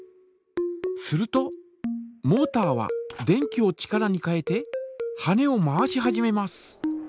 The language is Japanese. するとモータは電気を力に変えて羽根を回し始めます。